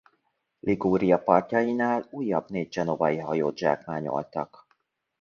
Liguria partjainál újabb négy genovai hajót zsákmányoltak.